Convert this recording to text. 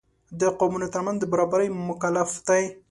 د قومونو تر منځ د برابرۍ مکلف دی.